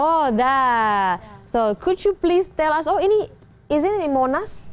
jadi bisa anda beritahu kami ini bukan itu monas